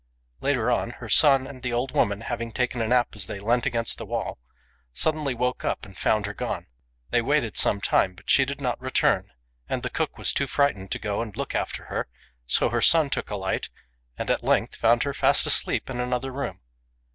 Later on, her son and the old woman having taken a nap as they leant against the wall, suddenly waked up and found her gone. They waited some time, but she did not return, and the cook was too frightened to go and look after her; so her son took a light, and at length found her fast asleep in another room.